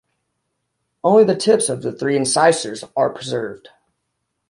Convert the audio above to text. Only the tips of the three incisors are preserved.